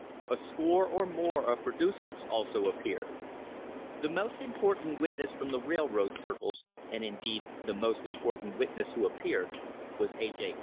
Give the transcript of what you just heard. A score or more of producers also appeared. The most important witness from the railroad cir cles, and, indeed, the most important witness who appeared, was A. J.